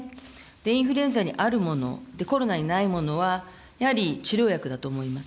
インフルエンザにあるもの、コロナにないものは、やはり治療薬だと思います。